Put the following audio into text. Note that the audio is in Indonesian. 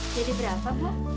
jadi berapa pak